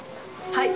はい。